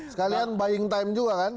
sekalian buying time juga kan